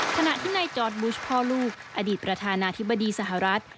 ขณะที่นายจอดบุชพ่อลูกอดีตประธานาธิบดีสหรัฐ